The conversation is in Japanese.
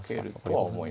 はい。